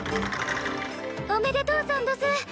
おめでとうさんどす！